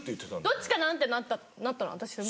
どっちかな？ってなったの私も。